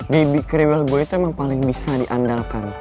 bibi kriwel gue itu emang paling bisa diandalkan